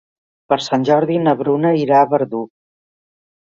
Per Sant Jordi na Bruna irà a Verdú.